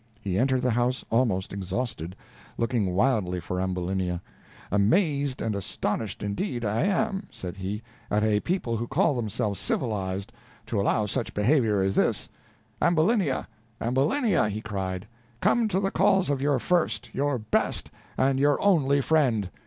He entered the house almost exhausted, looking wildly for Ambulinia. "Amazed and astonished indeed I am," said he, "at a people who call themselves civilized, to allow such behavior as this. Ambulinia, Ambulinia!" he cried, "come to the calls of your first, your best, and your only friend.